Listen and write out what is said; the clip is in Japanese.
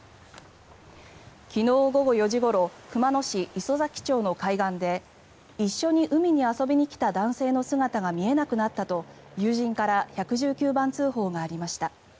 昨日午後４時ごろ熊野市磯崎町の海岸で一緒に海に遊びに来た男性の姿が見えなくなったと友人から１１９番通報がありました。